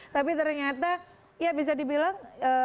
tapi ternyata ya bisa dibilang